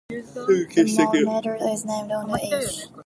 The medal is named on the edge.